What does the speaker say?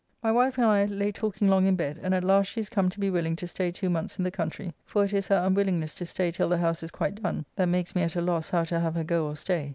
My wife and I lay talking long in bed, and at last she is come to be willing to stay two months in the country, for it is her unwillingness to stay till the house is quite done that makes me at a loss how to have her go or stay.